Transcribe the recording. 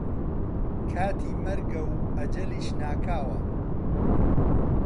کاتی مەرگە و ئەجەلیش ناکاوە